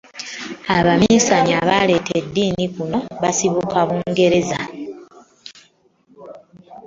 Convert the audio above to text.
Abaminsani abaaleeta eddiini kuno baasibuka Bungereza.